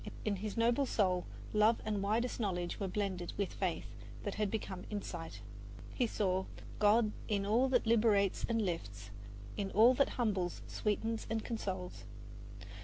In his noble soul love and widest knowledge were blended with faith that had become insight. He saw God in all that liberates and lifts, In all that humbles, sweetens and consoles.